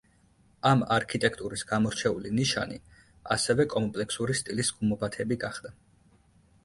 ამ არქიტექტურის გამორჩეული ნიშანი ასევე კომპლექსური სტილის გუმბათები გახდა.